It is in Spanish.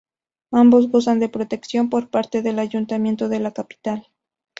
Ambos gozan de protección por parte del Ayuntamiento de la capital.